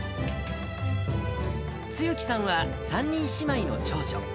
露木さんは３人姉妹の長女。